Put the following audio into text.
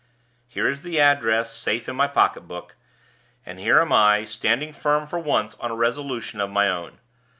Here is the address safe in my pocket book, and here am I, standing firm for once on a resolution of my own.